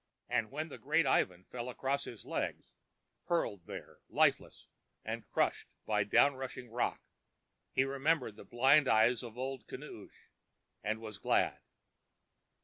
And when the great Ivan fell across his legs, hurled there lifeless and crushed by a down rushing rock, he remembered the blind eyes of Old Kinoos and was glad.